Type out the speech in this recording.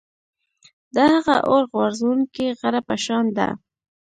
د هغه اور غورځوونکي غره په شان ده.